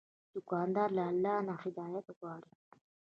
دوکاندار له الله نه هدایت غواړي.